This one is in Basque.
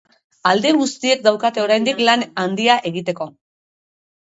Alde guztiek daukate oraindik lan handia egiteko.